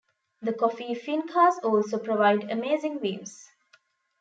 The coffee "Fincas" also provide amazing views.